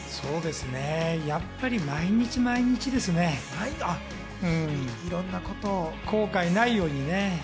やっぱり毎日毎日ですね、後悔ないようにね。